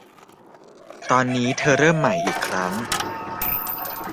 ตอนนี้เธอเริ่มใหม่อีกครั้ง